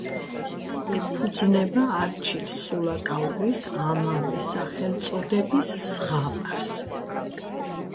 ეფუძნება არჩილ სულაკაურის ამავე სახელწოდების ზღაპარს.